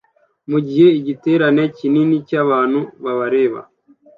mugihe igiterane kinini cyabantu babareba